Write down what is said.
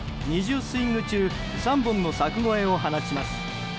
２０スイング中３本の柵越えを放ちます。